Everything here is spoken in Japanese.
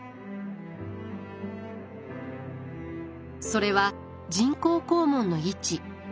それは人工肛門の位置。